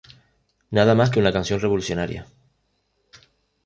Nada más que una canción revolucionaria.